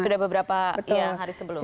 sudah beberapa hari sebelumnya